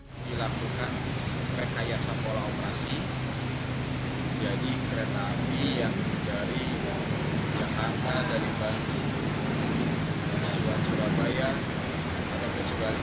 lalu di jalan utara dilakukan rekaya sebuah operasi dengan cara jalan pemutar